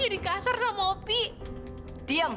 jadi kasar sama opi diam yang